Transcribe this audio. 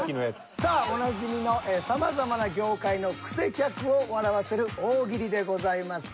さあおなじみのさまざまな業界のクセ客を笑わせる大喜利でございます。